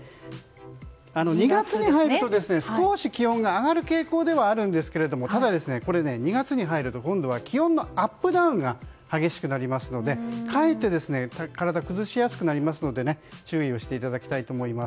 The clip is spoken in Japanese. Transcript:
２月に入ると少し、気温が上がる傾向ではあるんですがただ、２月に入ると今度は気温のアップダウンが激しくなりますので、かえって体調崩しやすくなりますので注意をしていただきたいと思います。